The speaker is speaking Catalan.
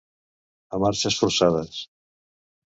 A marxes forçades.